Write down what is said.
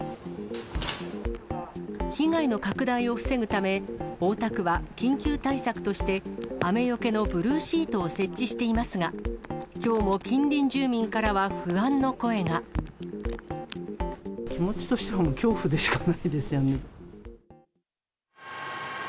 被害の拡大を防ぐため、大田区は緊急対策として、雨よけのブルーシートを設置していますが、きょうも近隣住民から気持ちとしてはもう恐怖でしかないですよね。